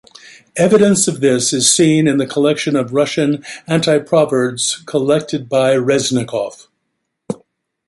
Evidence of this is seen in the collection of Russian anti-proverbs collected by Reznikov.